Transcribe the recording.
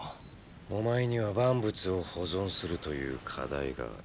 お前には万物を保存するという課題がある。